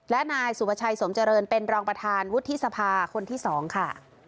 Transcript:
และนายสุภาชัยสมเจริญเป็นรองประธานวุฒิสภาคนที่๒ค่ะ